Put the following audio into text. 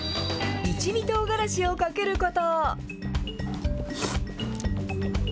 一味とうがらしをかけること。